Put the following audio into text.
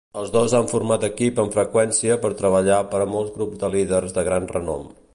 Els dos han format equip amb freqüència per treballar per a molts grups de líders de gran renom.